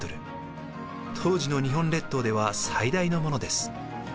当時の日本列島では最大のものです。